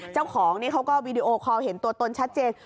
เจ้าของนี้เขาก็วีดีโอคอลเห็นตัวตนชัดเจน